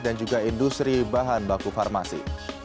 dan juga industri bahan baku farmasi